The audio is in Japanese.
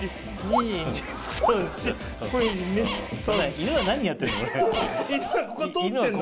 犬は何やってんの？